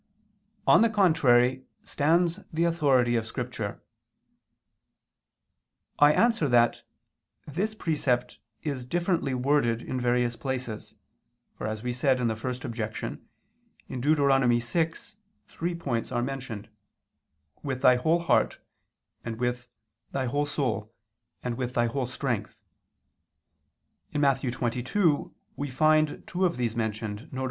On the contrary stands the authority of Scripture. I answer that, This precept is differently worded in various places: for, as we said in the first objection, in Deut. 6 three points are mentioned: "with thy whole heart," and "with thy whole soul," and "with thy whole strength." In Matt. 22 we find two of these mentioned, viz.